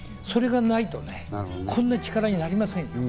それがないとね、こんなに力になりませんよ。